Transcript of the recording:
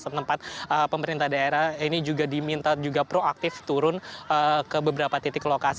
tempat pemerintah daerah ini juga diminta juga proaktif turun ke beberapa titik lokasi